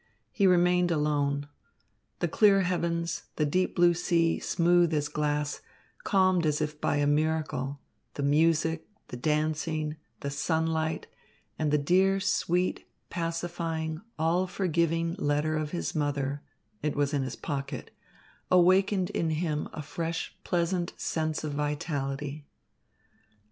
He remained alone. The clear heavens, the deep blue sea, smooth as glass, calmed as if by a miracle, the music, the dancing, the sunlight, and the dear, sweet, pacifying, all forgiving letter of his mother it was in his pocket awakened in him a fresh, pleasant sense of vitality.